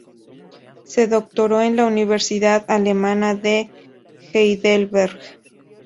Se doctoró en la universidad alemana de Heidelberg.